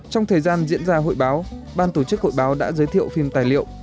trong thời gian diễn ra hội báo ban tổ chức hội báo đã giới thiệu phim tài liệu